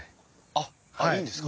あっいいんですか？